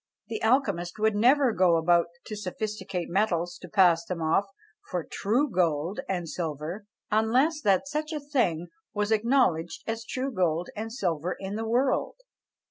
The alchemist would never go about to sophisticate metals to pass them off for true gold and silver, unless that such a thing was acknowledged as true gold and silver in the world."